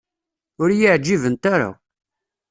Ur yi-ɛǧibent ara.